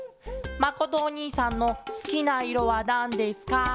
「まことおにいさんのすきないろはなんですか？」。